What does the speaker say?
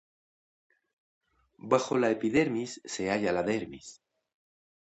Bajo la epidermis se halla la dermis.